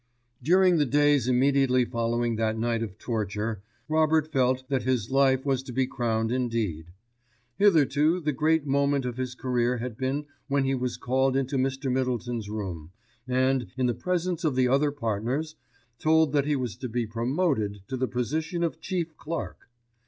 During the days immediately following that night of torture, Robert felt that his life was to be crowned indeed. Hitherto the great moment of his career had been when he was called into Mr. Middleton's room, and, in the presence of the other partners, told that he was to be promoted to the position of chief clerk.